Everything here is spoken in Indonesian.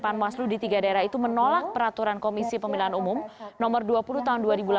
nomor dua puluh tahun dua ribu delapan belas